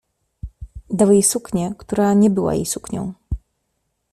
Dał jej suknię, która nie była jej suknią.